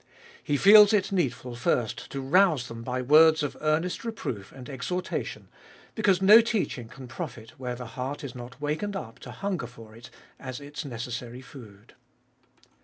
He feels it needful first to rouse them by words of earnest reproof and exhortation, because no teaching can profit where the heart is not wakened up to hunger for it as its necessary food.